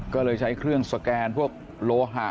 ก็เลยใช้เครื่องสแกนพวกโลหะ